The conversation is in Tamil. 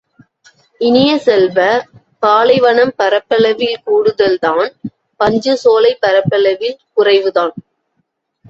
இனிய செல்வ, பாலைவனம் பரப்பளவில் கூடுதல் தான் பசுஞ்சோலை பரப்பளவில் குறைவுதான்.